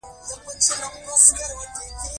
ټپه د ژوند د زده کړې کتاب دی.